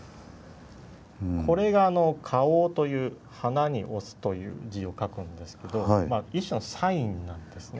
これが花押という「花」に「押す」という字を書くんですけど一種のサインなんですね